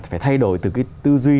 phải thay đổi từ cái tư duy